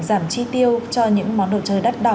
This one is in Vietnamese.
giảm chi tiêu cho những món đồ chơi đắt đỏ